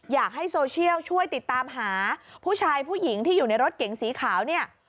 อยากให้โซเชียลช่วยติดตามหาผู้ชายผู้หญิงที่อยู่ในรถเก๋งสีขาวเนี่ย